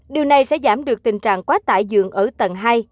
điều này sẽ giảm được tình trạng quá tải dường ở tầng hai